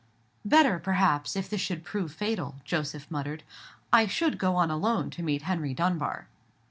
"Better, perhaps, if this should prove fatal," Joseph muttered; "I should go on alone to meet Henry Dunbar."